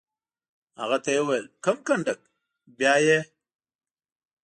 هغه ته یې وویل: کوم کنډک؟ بیا یې.